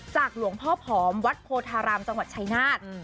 หลวงพ่อผอมวัดโพธารามจังหวัดชายนาฏ